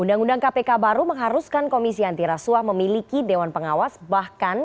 undang undang kpk baru mengharuskan komisi antirasuah memiliki dewan pengawas bahkan